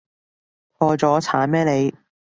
破咗產咩你？